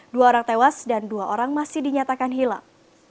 dua orang tewas dan dua orang masih dinyatakan hilang